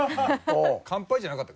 完敗じゃなかった。